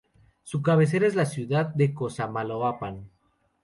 Su cabecera es la ciudad de Cosamaloapan.